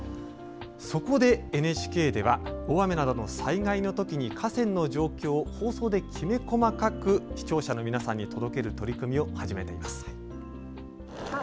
そこでＮＨＫでは大雨などの災害のときに河川の状況を放送で、きめ細かく視聴者の皆さんに届ける取り組みを始めています。